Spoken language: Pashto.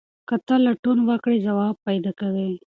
که ته لټون وکړې ځواب پیدا کوې.